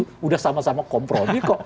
sudah sama sama kompromi kok